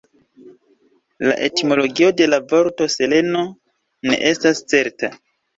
La etimologio de la vorto "Seleno" ne estas certa.